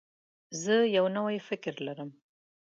زه یو نوی فکر لرم.